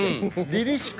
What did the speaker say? りりしく。